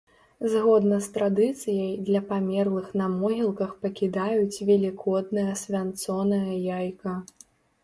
Згодна з традыцыяй, для памерлых на могілках пакідаюць велікоднае свянцонае яйка.